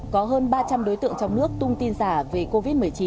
có hơn ba trăm linh đối tượng trong nước tung tin giả về covid một mươi chín